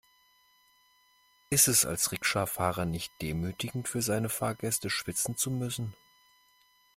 Ist es als Rikscha-Fahrer nicht demütigend, für seine Fahrgäste schwitzen zu müssen?